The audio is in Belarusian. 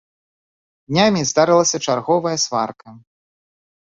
Днямі здарылася чарговая сварка.